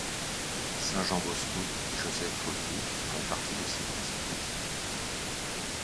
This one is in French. Saint Jean Bosco et Joseph Folliet font partie de ses principaux guides.